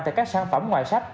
tại các sản phẩm ngoài sách